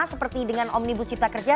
seperti dengan omnibus cipta kerja